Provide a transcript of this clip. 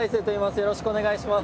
よろしくお願いします。